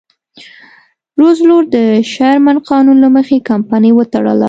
روزولټ د شرمن قانون له مخې کمپنۍ وتړله.